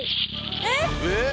えっ⁉